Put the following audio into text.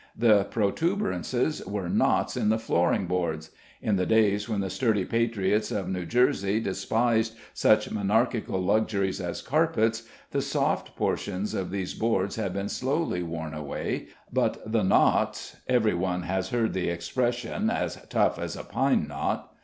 The protuberances were knots in the flooring boards. In the days when the sturdy patriots of New Jersey despised such monarchical luxuries as carpets, the soft portions of these boards had been slowly worn away, but the knots every one has heard the expression "as tough as a pine knot."